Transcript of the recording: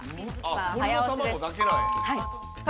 早押しです。